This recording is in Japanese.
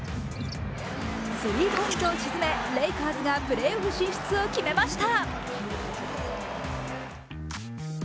スリーポイントを沈め、レイカーズがプレーオフ進出を決めました。